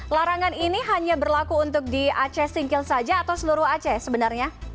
larangan ini hanya berlaku untuk di aceh singkil saja atau seluruh aceh sebenarnya